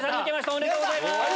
おめでとうございます。